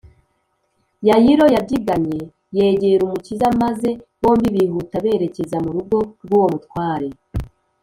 yayiro yabyigannye yegera umukiza, maze bombi bihuta bererekeza mu rugo rw’uwo mutware